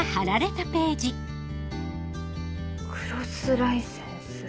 クロスライセンス。